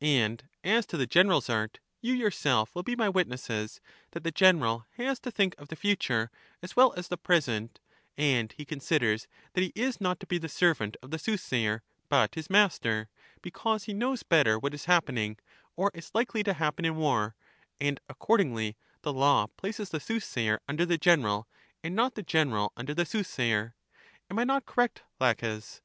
And as to the general's art, you yourself will be my witnesses, that the general has to think of the future as well as the present; and he considers that he is not to be the 116 LACHES servant of the soothsayer, but his master, because he knows better what is happening or is hkely to happen in war : and accordingly the law places the soothsayer under the general, and not the general under the soothsayer. Am I not correct, Laches?